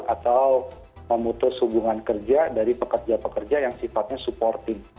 atau memutus hubungan kerja dari pekerja pekerja yang sifatnya supporting